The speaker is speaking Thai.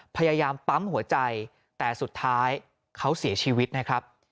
พยายามปั๊มหัวใจแต่สุดท้ายเขาเสียชีวิตนะครับ